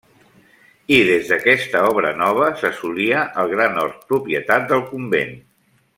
I des d'aquesta Obra Nova s'assolia el gran hort propietat del convent.